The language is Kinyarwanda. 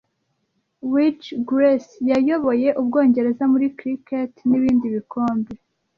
WG Grace yayoboye Ubwongereza muri cricket nibindi bikombe